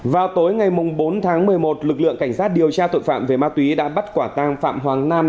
vào tối ngày bốn tháng một mươi một lực lượng cảnh sát điều tra tội phạm về ma túy đã bắt quả tang phạm hoàng nam